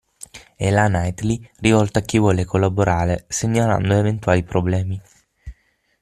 E la Nightly, rivolta a chi vuole collaborare segnalando eventuali problemi.